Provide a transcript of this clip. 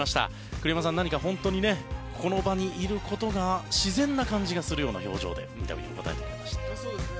栗山さん、本当にこの場にいることが自然な感じがするような表情でインタビューに答えていました。